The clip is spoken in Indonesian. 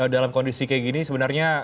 dalam kondisi kayak gini sebenarnya